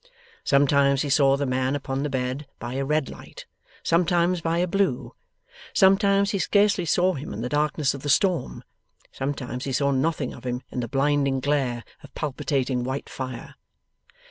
Sometimes, he saw the man upon the bed, by a red light; sometimes, by a blue; sometimes, he scarcely saw him in the darkness of the storm; sometimes he saw nothing of him in the blinding glare of palpitating white fire.